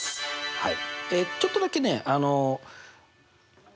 はい。